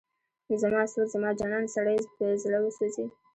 زما سعود، زما جانان، سړی په زړه وسوځي